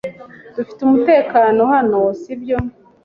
Dufite umutekano hano, si byo?